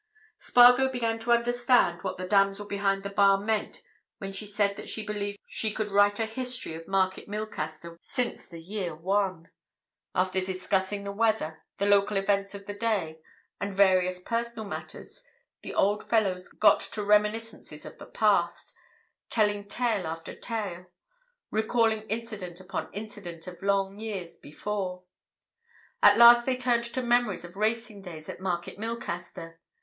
Spargo began to understand what the damsel behind the bar meant when she said that she believed she could write a history of Market Milcaster since the year One. After discussing the weather, the local events of the day, and various personal matters, the old fellows got to reminiscences of the past, telling tale after tale, recalling incident upon incident of long years before. At last they turned to memories of racing days at Market Milcaster.